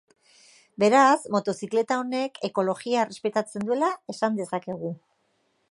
Beraz, motozikleta honek ekologia errespetatzen duela esan dezakegu.